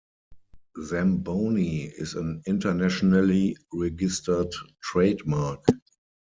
Zamboni is an internationally registered trademark.